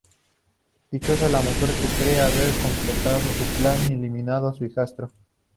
Dichosa, la mujer cree haber completado su plan y eliminado a su hijastro.